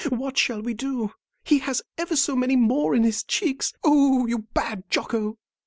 "What shall we do? He has ever so many more in his cheeks. Oh, you bad Jocko!"